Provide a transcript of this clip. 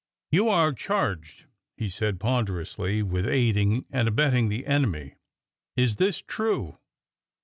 You are charged," he said ponderously, '' with aid ing and abetting the enemy. Is this true?"